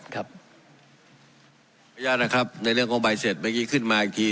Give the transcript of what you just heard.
ขออนุญาตนะครับในเรื่องของใบเสร็จเมื่อกี้ขึ้นมาอีกที